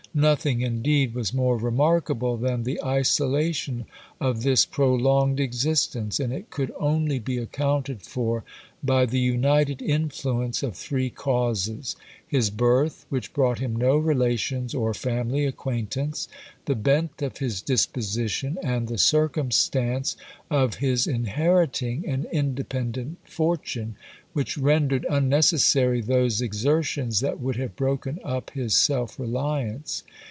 Nothing, indeed, was more remarkable than the isolation of this prolonged existence; and it could only be accounted for by the united influence of three causes: his birth, which brought him no relations or family acquaintance; the bent of his disposition; and the circumstance of his inheriting an independent fortune, which rendered unnecessary those exertions that would have broken up his self reliance.